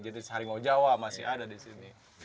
jadi harimau jawa masih ada di sini